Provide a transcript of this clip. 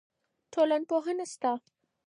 ټولنپوهنه سته.